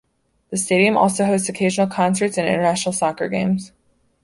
The stadium also hosts occasional concerts and international soccer games.